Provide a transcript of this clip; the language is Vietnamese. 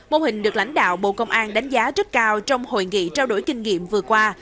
mô hình được lãnh đạo bộ công an đánh giá rất cao trong hội nghị trao đổi kinh nghiệm vừa qua